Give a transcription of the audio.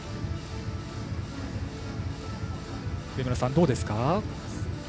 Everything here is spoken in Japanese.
上村さん、どうですか？